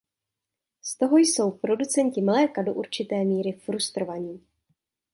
Z toho jsou producenti mléka do určité míry frustrovaní.